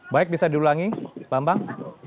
baik bisa diulangi bambang